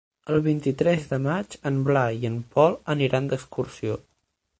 El vint-i-tres de maig en Blai i en Pol aniran d'excursió.